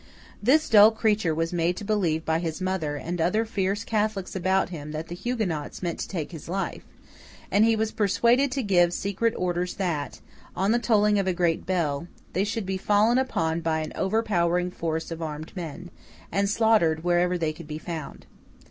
This dull creature was made to believe by his mother and other fierce Catholics about him that the Huguenots meant to take his life; and he was persuaded to give secret orders that, on the tolling of a great bell, they should be fallen upon by an overpowering force of armed men, and slaughtered wherever they could be found.